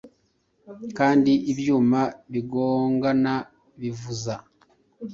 Kandi ibyuma bigongana bivuza.